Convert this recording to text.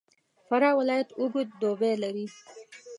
فراه ولایت اوږد دوبی لري.